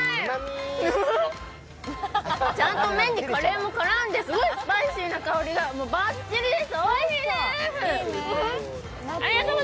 ちゃんと麺にカレーが絡んでスパイシーな香りがばっちりです、おいしいです！